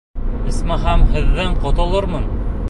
Исмаһам, һеҙҙән ҡотолормон!